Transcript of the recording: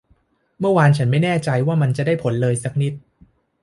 เมื่อวานฉันไม่แน่ใจว่ามันจะได้ผลเลยสักนิด